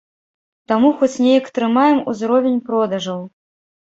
Таму хоць неяк трымаем узровень продажаў.